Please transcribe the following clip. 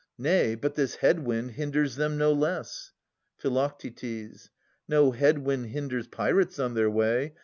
Nay, but this head wind hinders them no less. Phi. No head wind hinders pirates on their way.